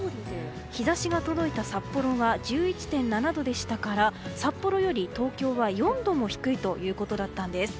日差しが届いた札幌は１１．７度でしたから札幌より東京は４度も低いということだったんです。